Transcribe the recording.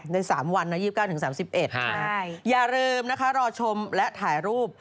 ใน๓วันนะ๒๙๓๑ใช่ไหมอย่าลืมนะคะรอชมและถ่ายรูป